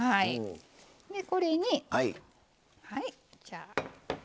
でこれにはいじゃあ。